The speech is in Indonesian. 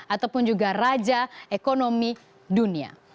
ataupun juga raja ekonomi dunia